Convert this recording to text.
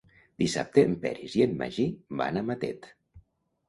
Dissabte en Peris i en Magí van a Matet.